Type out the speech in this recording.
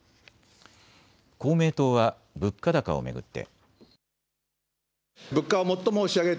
公明党は物価高を巡って。